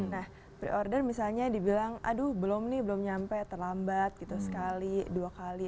nah pre order misalnya dibilang aduh belum nih belum nyampe terlambat gitu sekali dua kali